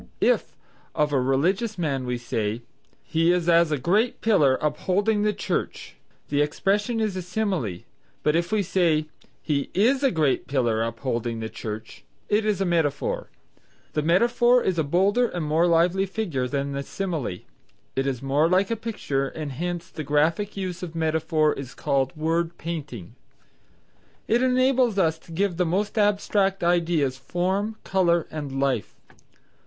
If, of a religious man we say, "He is as a great pillar upholding the church," the expression is a simile, but if we say "He is a great pillar upholding the church" it is a metaphor. The metaphor is a bolder and more lively figure than the simile. It is more like a picture and hence, the graphic use of metaphor is called "word painting." It enables us to give to the most abstract ideas form, color and life.